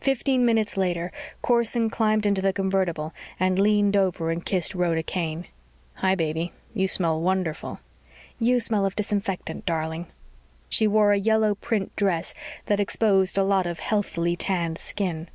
Fifteen minutes later, Corson climbed into the convertible and leaned over and kissed Rhoda Kane. "Hi, baby. You smell wonderful." "You smell of disinfectant, darling." She wore a yellow print dress that exposed a lot of healthily tanned skin.